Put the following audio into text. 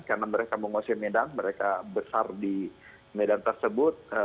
karena mereka menguasai medan mereka besar di medan tersebut